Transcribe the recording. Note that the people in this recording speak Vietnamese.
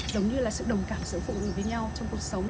giống như là sự đồng cảm giữa phụ nữ với nhau trong cuộc sống